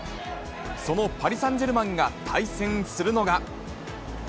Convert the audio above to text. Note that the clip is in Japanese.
そのパリ・サンジェルマンが対戦するのが。